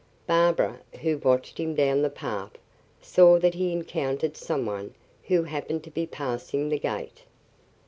Barbara, who watched him down the path, saw that he encountered someone who happened to be passing the gate.